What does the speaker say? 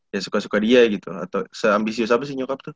ya suka suka dia gitu atau se ambisius apa sih nyukap tuh